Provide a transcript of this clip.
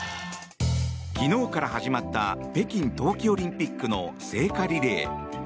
昨日から始まった北京冬季オリンピックの聖火リレー。